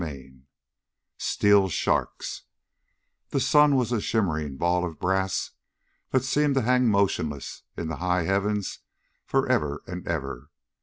CHAPTER TEN Steel Sharks The sun was a shimmering ball of brass that seemed to hang motionless in the high heavens forever and ever.